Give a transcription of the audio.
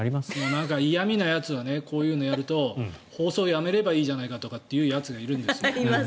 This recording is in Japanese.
なんか嫌味なやつはこういうのやると放送をやめればいいじゃないかとかって言うやつがいるんですよ。